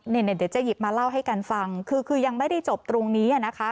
เดี๋ยวจะหยิบมาเล่าให้กันฟังคือคือยังไม่ได้จบตรงนี้นะคะ